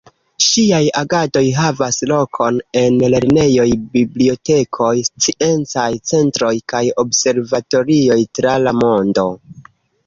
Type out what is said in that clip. Ŝiaj agadoj havas lokon en lernejoj, bibliotekoj, sciencaj centroj kaj observatorioj tra la mondo.